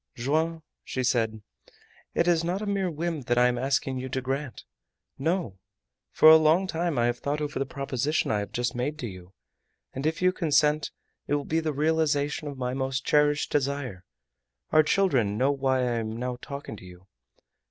"Joam," she said, "it is not a mere whim that I am asking you to grant. No! For a long time I have thought over the proposition I have just made to you; and if you consent, it will be the realization of my most cherished desire. Our children know why I am now talking to you.